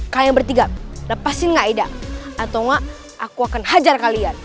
kalian bertiga lepasin ngaida atau enggak aku akan hajar kalian